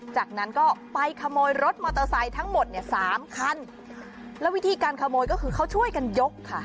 จากนั้นก็ไปขโมยรถมอเตอร์ไซค์ทั้งหมดเนี่ยสามคันแล้ววิธีการขโมยก็คือเขาช่วยกันยกค่ะ